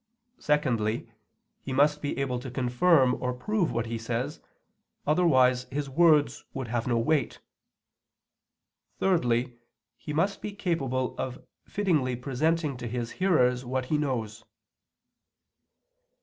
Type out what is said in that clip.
Secondly, he must be able to confirm or prove what he says, otherwise his words would have no weight. Thirdly, he must be capable of fittingly presenting to his hearers what he knows.